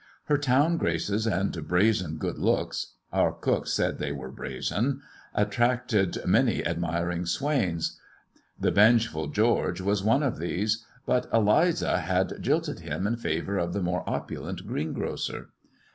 Her town graces and brazen good looks — our cook said they were brazen — attracted many admiring swains. The vengeful George was one of these, but Eliza had jilted him in favour of the more opulent greengrocer.